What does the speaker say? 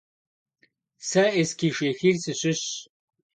Se Eskişşêxir sışışş.